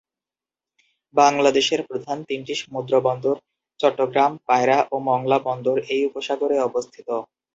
বাংলাদেশের প্রধান তিনটি সমুদ্রবন্দর চট্টগ্রাম, পায়রা ও মংলা বন্দর এই উপসাগরে অবস্থিত।